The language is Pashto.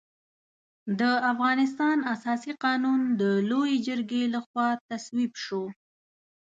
د افغانستان اساسي قانون د لويې جرګې له خوا تصویب شو.